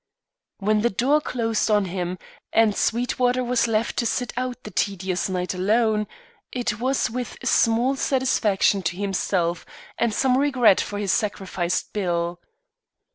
When the door closed on him, and Sweetwater was left to sit out the tedious night alone, it was with small satisfaction to himself, and some regret for his sacrificed bill.